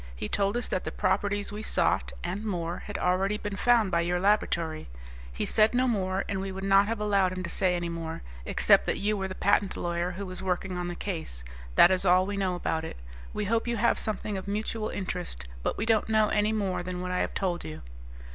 He told us that the properties we sought and more had already been found by your laboratory. He said no more, and we would not have allowed him to say any more, except that you were the patent lawyer who was working on the case. That is all we know about it. We hope you have something of mutual interest, but we don't know any more than what I have told you."